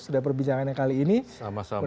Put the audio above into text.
untuk perbicaraannya kali ini sama sama